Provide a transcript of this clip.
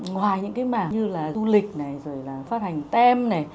ngoài những cái mảng như là du lịch này rồi là phát hành tem này